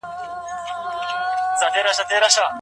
خاوند د کوم ډول استمتاع حق لري؟